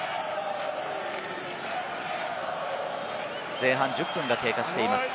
前半１０分が経過しています。